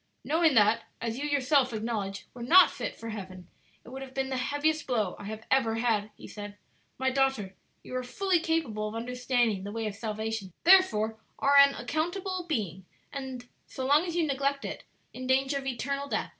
"Knowing that, as you yourself acknowledge, you were not fit for heaven, it would have been the heaviest blow I have ever had," he said. "My daughter, you are fully capable of understanding the way of salvation, therefore are an accountable being, and, so long as you neglect it, in danger of eternal death.